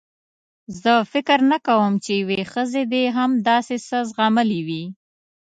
زه فکر نه کوم چې یوې ښځې دې هم داسې څه زغملي وي.